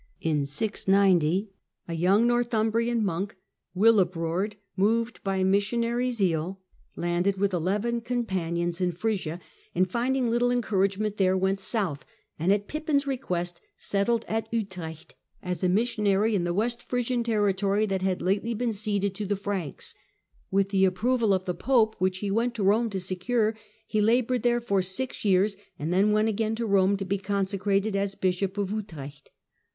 In 690 a young Northumbrian monk, Willi brord, moved by missionary zeal, landed with eleven 102 THE DAWN OF MEDLEVAL EUROPE companions in Frisia, and finding little encouragement there went south, and at Pippin's request settled at Utrecht as a missionary in the West Frisian territory that had lately been ceded to the Franks. With the approval of the Pope, which he went to Rome to secure, he laboured there for six years, and then went again to Eome to be consecrated as Bishop of Utrecht.